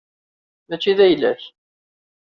Mačči d ayla-k.